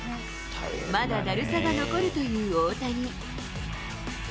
まだだるさが残るという大谷。